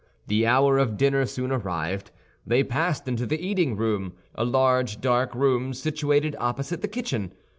The hour of dinner soon arrived. They passed into the eating room—a large dark room situated opposite the kitchen.